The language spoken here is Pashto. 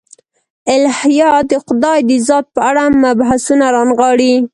الهیات د خدای د ذات په اړه مبحثونه رانغاړي.